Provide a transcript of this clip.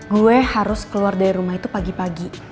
gue harus keluar dari rumah itu pagi pagi